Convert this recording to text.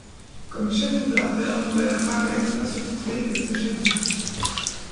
Comme chef-opérateur, Noël Ramettre a surtout travaillé avec Sacha Guitry.